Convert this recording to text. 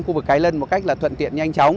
khu vực cái lân một cách là thuận tiện nhanh chóng